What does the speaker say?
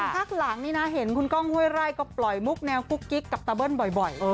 พักหลังนี่นะเห็นคุณก้องห้วยไร่ก็ปล่อยมุกแนวกุ๊กกิ๊กกับตาเบิ้ลบ่อย